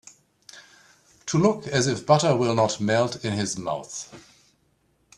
To look as if butter will not melt in his mouth.